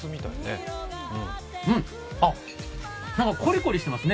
うん、コリコリしていますね。